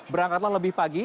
berangkatlah lebih pagi